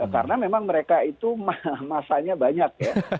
karena memang mereka itu masanya banyak